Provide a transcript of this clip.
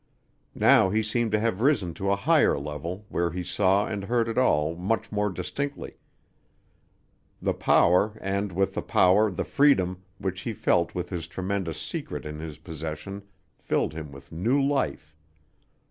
Now he seemed to have risen to a higher level where he saw and heard it all much more distinctly. The power and, with the power, the freedom which he felt with this tremendous secret in his possession filled him with new life.